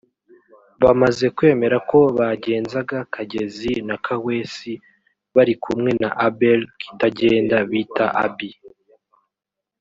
bamaze kwemera ko bagenzaga Kagezi na Kaweesi bari kumwe na Abel Kitagenda bita Abby